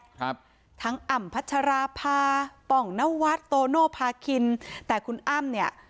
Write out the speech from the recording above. ครับทั้งอ่ำพัชราภาป่องนวัดโตโนภาคินแต่คุณอ้ำเนี่ย